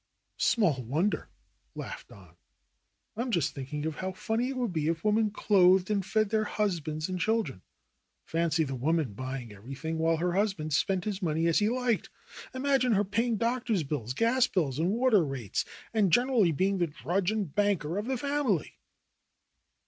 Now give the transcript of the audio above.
"Small wonder !" laughed Don. "I am just thinking of how funny it would be if women clothed and fed their husbands and children. Fancy the woman buying every thing, while her husband spent his money as he liked! Imagine her paying doctors' bills, gas bills, and water rates, and generally being the drudge and banker of the family